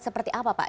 seperti apa pak